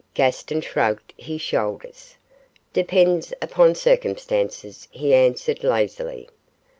Gaston shrugged his shoulders. 'Depends upon circumstances,' he answered, lazily.